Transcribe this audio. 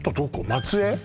松江？